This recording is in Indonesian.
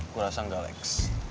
gua rasanya ga leks